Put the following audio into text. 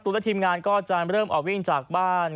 และทีมงานก็จะเริ่มออกวิ่งจากบ้าน